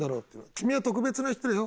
君は特別な人だよ